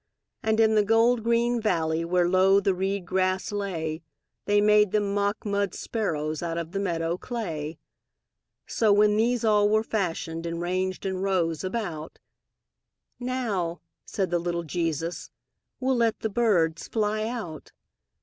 And in the gold green valley, Where low the reed grass lay, They made them mock mud sparrows Out of the meadow clay. So, when these all were fashioned, And ranged in rows about, "Now," said the little Jesus, "We'll let the birds fly out."